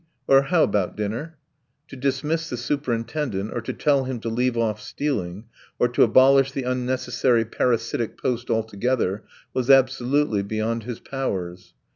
.." or "How about dinner? ..." To dismiss the superintendent or to tell him to leave off stealing, or to abolish the unnecessary parasitic post altogether, was absolutely beyond his powers.